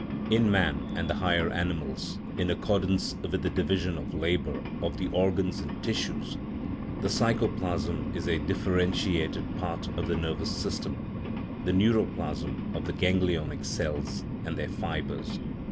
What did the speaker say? In man and the higher animals, in accordance with the division of labor of the organs and tissues, the psychoplasm is a differentiated part of the nervous sys tem, the neuroplasm of the ganglionic cells and their 'fibres.